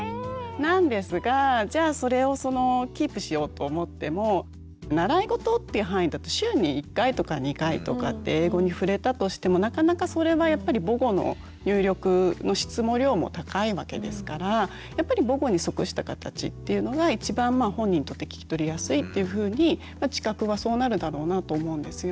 なんですがじゃあそれをそのキープしようと思っても習い事っていう範囲だと週に１回とか２回とかって英語に触れたとしてもなかなかそれはやっぱり母語の入力の質も量も高いわけですからやっぱり母語に即した形っていうのが一番まあ本人にとって聞き取りやすいっていうふうに知覚はそうなるだろうなと思うんですよね。